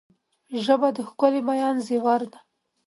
ژبه د ښکلي بیان زیور ده